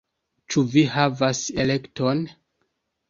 Ĉu vi havas elekton?